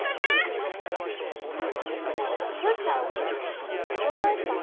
鈴ちゃんどないしたん？